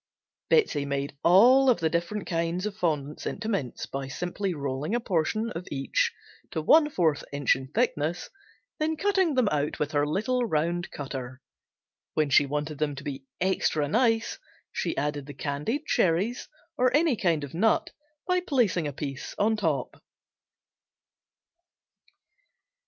Betsey made all of the different kinds of fondants into mints by simply rolling a portion of each to one fourth inch in thickness, then cutting them out with her little round cutter. When she wanted them to be extra nice she added the candied cherries or any kind of nut by placing a piece on top.